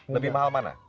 lebih mahal mana